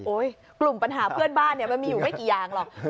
โอ๊ยกลุ่มปัญหาเพื่อนบ้านมันมีอยู่ไว้กี่อย่างหรอก